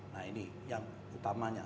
nah ini yang utamanya